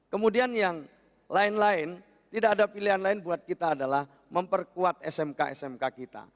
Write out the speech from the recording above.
kemudian yang lain lain tidak ada pilihan lain buat kita adalah memperkuat smk smk kita